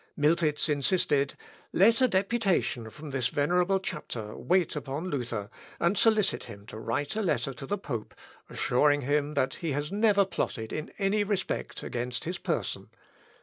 Miltitz insisted, "Let a deputation from this venerable Chapter wait upon Luther, and solicit him to write a letter to the pope, assuring him that he has never plotted in any respect against his person.